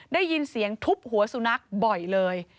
ได้ยินเสียงทุบหัวสุนัขบ่อยเลย